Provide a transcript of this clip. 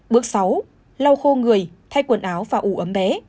bước sáu lau khô người thay quần áo và ủ ấm bé